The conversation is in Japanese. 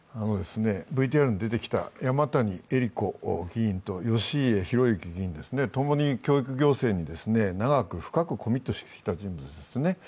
ＶＴＲに出てきた山谷えり子議員と義家弘介議員、共に教育行政に長く深くコミットしてきた人物ですね。